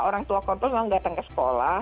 orang tua korban memang datang ke sekolah